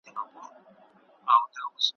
زه به د خپلي موخي له پاره هر ډول خطر ومنم.